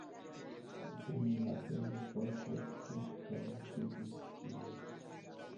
Dum la ferepoko keltoj vivis tie.